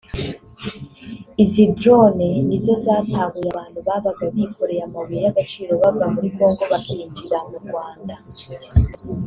Izi drones nizo zatahuye abantu babaga bikoreye amabuye y’agaciro bavaga muri Congo bakinjira mu Rwanda